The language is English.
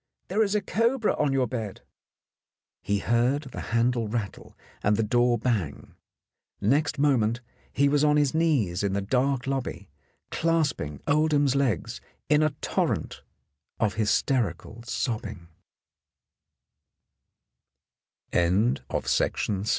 There is a cobra on your bed !" He heard the handle rattle and the door bang. Next moment he was on his knees in the dark lobby, clasping Oldham's legs in a torrent of hysterical so